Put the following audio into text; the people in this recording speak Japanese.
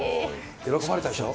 喜ばれたでしょ。